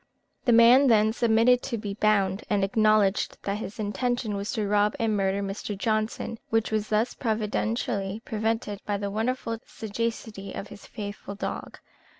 The man then submitted to be bound, and acknowledged that his intention was to rob and murder Mr. Johnson, which was thus providentially prevented by the wonderful sagacity of his faithful dog.